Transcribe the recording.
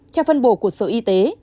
theo phân bổ của sở y tế